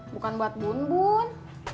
bukan buat bun bun